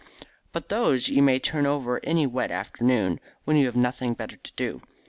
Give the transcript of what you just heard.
But those you may turn over any wet afternoon when you have nothing better to do.